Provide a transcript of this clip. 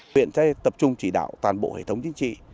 huyện sẽ tập trung chỉ đạo toàn bộ hệ thống chính trị